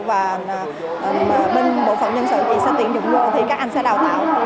và bên bộ phận nhân sự chị sẽ tuyển dụng vô thì các anh sẽ đào tạo